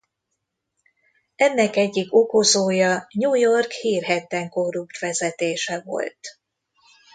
Ennek egyik okozója New York hírhedten korrupt vezetése volt.